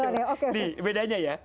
nih bedanya ya